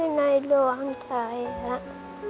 เสียของไว้ในหลวงใจครับ